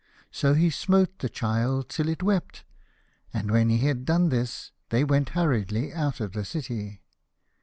So he smote the child till it wept, and when he had done this they went hurriedly out of the city.